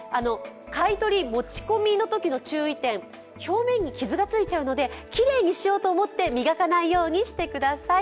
買い取り、持ち込みの時の注意点表面に傷がついちゃうのできれいにしようと思って磨かないようにしてください。